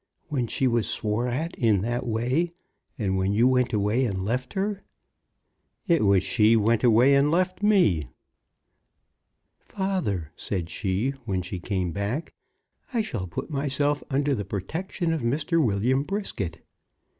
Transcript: "When she was swore at in that way, and when you went away and left her ." "It was she went away and left me." "'Father,' said she when she came back, 'I shall put myself under the protection of Mr. William Brisket.'